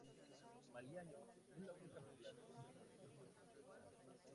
Maliaño es la única población del municipio con costa.